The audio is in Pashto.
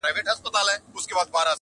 o تر بېکاري، بېگاري ښه ده٫